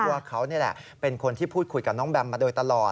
ว่าเขานี่แหละเป็นคนที่พูดคุยกับน้องแบมมาโดยตลอด